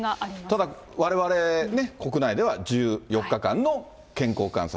われわれね、国内では、１４日間の健康観察。